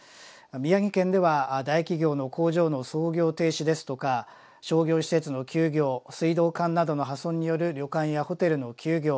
宮城県では大企業の工場の操業停止ですとか商業施設の休業水道管などの破損による旅館やホテルの休業。